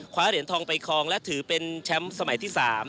เหรียญทองไปคลองและถือเป็นแชมป์สมัยที่๓